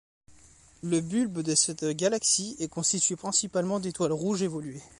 Le bulbe de cette galaxie est constitué principalement d'étoiles rouges évoluées.